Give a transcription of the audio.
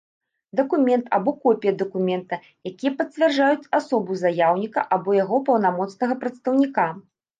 Дакумент або копiя дакумента, якiя пацвярджаюць асобу заяўнiка або яго паўнамоцнага прадстаўнiка.